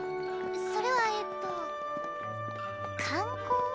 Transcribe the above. それはえっと観光？